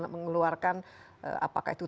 mengeluarkan apakah itu